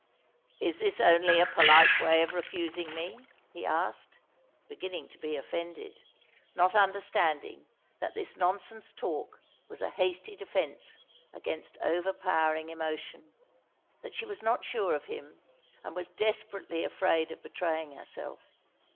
" "Is this only a polite way of refusing me?" he asked, beginning to be offended, not understanding that this non soDse talk was a hasty defence against overpowering emotion, that she was not sure of him, and was desparately afraid of betraying herself.